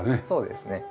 そうですね。